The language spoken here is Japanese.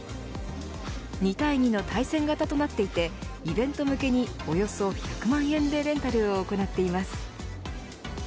２対２の対戦形となっていてイベント向けにおよそ１００万円でレンタルを行っています。